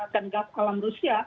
akan menganggap alam rusia